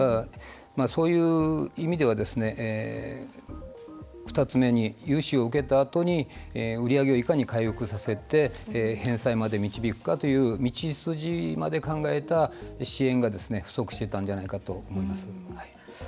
そういう意味では２つ目に融資を受けたあとに売り上げをいかに回復させて返済まで導くかという道筋まで考えた支援が不足していたんじゃないかと思います。